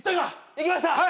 行きました